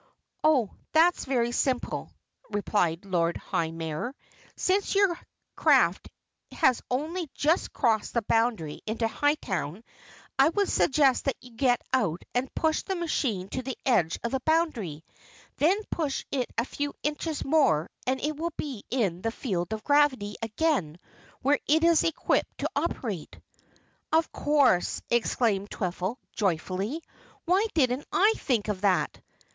"Oh, that's very simple," replied the Lord High Mayor. "Since your craft has only just crossed the boundary into Hightown, I would suggest that you get out and push the machine to the edge of the boundary then push it a few inches more and it will be in the field of gravity again where it is equipped to operate." "Of course!" exclaimed Twiffle joyfully. "Why didn't I think of that?"